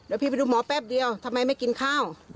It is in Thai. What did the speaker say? เดี๋ยวพี่ไปดูหมอแป๊บเดียวทำไมไม่กินข้าว